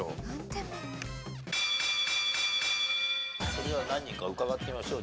それでは何人か伺ってみましょう。